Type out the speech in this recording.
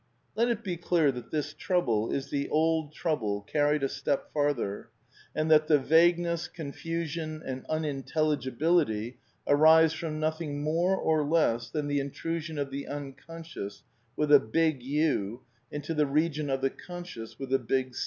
Let it be clear that this trouble is the old trouble carried a step farther, and that the vagueness, confusion, and unin telligibility arise from nothing more or less than the in trusion of the Unconscious, with a big U, into the region of the Conscious with a big C.